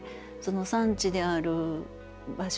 産地である場所